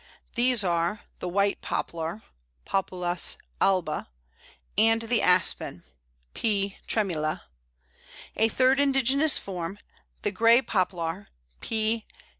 These are the White Poplar (Populus alba), and the Aspen (P. tremula). A third indigenous form, the Grey Poplar (_P.